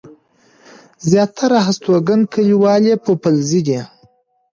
زياتره هستوګن کلیوال يې پوپلزي دي.